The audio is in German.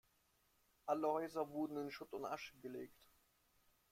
Alle Häuser wurden in Schutt und Asche gelegt.